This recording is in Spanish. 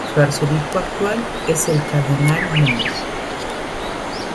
Su arzobispo actual es el cardenal Mons.